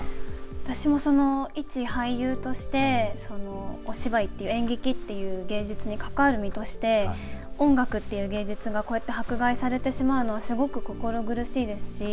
私も一俳優としてお芝居という、演劇という芸術に関わる身として音楽っていう芸術が迫害されてしまうのはすごく心苦しいですし